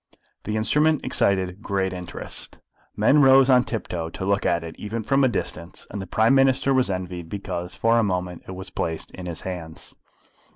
The instrument excited great interest. Men rose on tiptoe to look at it even from a distance, and the Prime Minister was envied because for a moment it was placed in his hands.